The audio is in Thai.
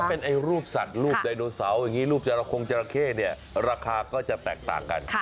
ยังไงบ้างคะคือถ้าเป็นรูปสัตว์รูปจราโค้งจราเข้ราคาก็จะแตกต่างกัน